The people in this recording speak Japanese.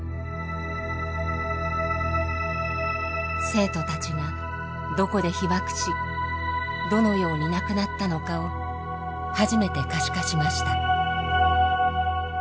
生徒たちがどこで被爆しどのように亡くなったのかを初めて可視化しました。